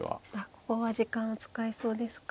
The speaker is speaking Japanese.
ここは時間を使いそうですか。